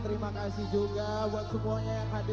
terima kasih juga buat semuanya yang hadir